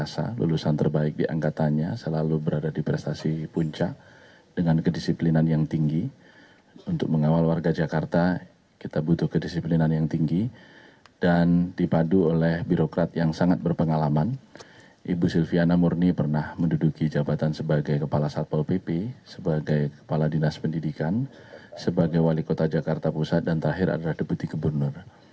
sebagai buah birokrat yang sangat berpengalaman ibu silviana murni pernah menduduki jabatan sebagai kepala satpo pp sebagai kepala dinas pendidikan sebagai wali kota jakarta pusat dan terakhir adalah deputi gubernur